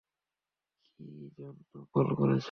কী জন্য কল করেছ?